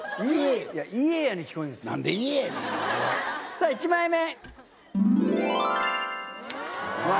さぁ１枚目。